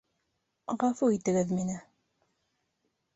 Ғәфү итегеҙ мине.